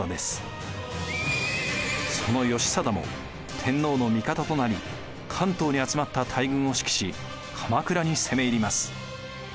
その義貞も天皇の味方となり関東に集まった大軍を指揮し鎌倉に攻め入ります。